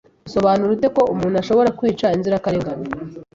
Usobanura ute ko umuntu ashobora kwica inzirakarengane